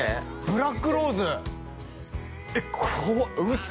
ブラックローズえっ嘘！